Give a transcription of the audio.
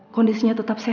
kondisinya tetap kuat